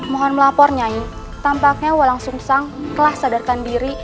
mohon melapor nyai tampaknya walang sungsang telah sadarkan diri